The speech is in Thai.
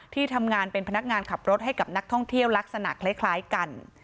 ที่ทำงานเป็นพนักงานขับรถให้กับนักท่องเที่ยวลักษณะคล้ายกัน